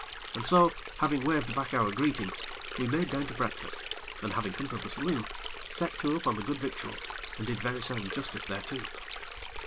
And so, having waved back our greeting, we made down to breakfast, and, having come to the saloon, set to upon the good victuals, and did very sound justice thereto.